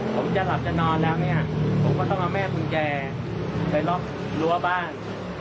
ผมจะหลับจะนอนแล้วเนี่ยผมก็ต้องเอาแม่กุญแจไปล็อกรั้วบ้าน